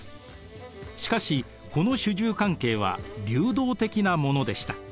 しかしこの主従関係は流動的なものでした。